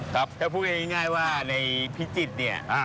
ถ้าพูดง่ายว่าในพิจิตร